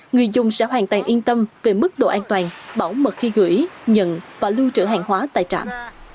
người dùng sẽ hoàn toàn yên tâm về mức độ an toàn bảo mật khi gửi nhận và lưu trữ hàng hóa tại trạm